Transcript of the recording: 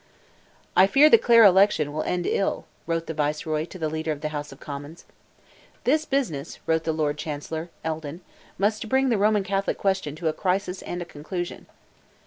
"I fear the Clare election will end ill," wrote the Viceroy to the leader of the House of Commons. "This business," wrote the Lord Chancellor (Eldon), "must bring the Roman Catholic question to a crisis and a conclusion."